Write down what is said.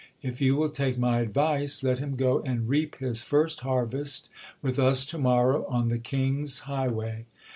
If you will take my advice, let him go and reap his first harvest with us to morrow on the king's highway.